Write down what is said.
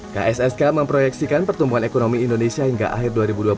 kssk memproyeksikan pertumbuhan ekonomi indonesia hingga akhir dua ribu dua puluh satu